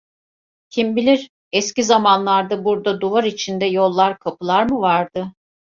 Kim bilir, eski zamanlarda burada duvar içinde yollar, kapılar mı vardı?